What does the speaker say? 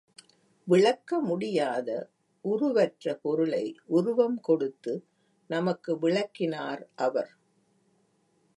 விளக்க முடியாத உருவற்ற பொருளை உருவம் கொடுத்து நமக்கு விளக்கினார் அவர்.